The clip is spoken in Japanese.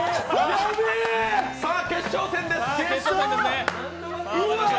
さあ決勝戦です。